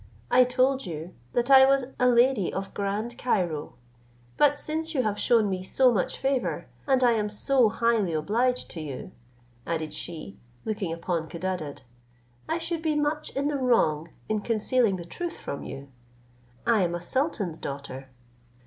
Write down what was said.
I told you that I was a lady of Grand Cairo; but since you have shewn me so much favour, and I am so highly obliged to you," added she, looking upon Codadad, "I should be much in the wrong in concealing the truth from you; I am a sultan's daughter.